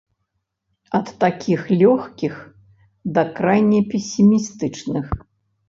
Ад такіх лёгкіх, да крайне песімістычных.